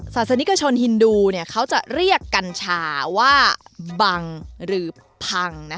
ศาสนิกชนฮินดูเขาจะเรียกกัญชาว่าบังหรือพัง